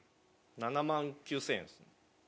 ７万９０００円です。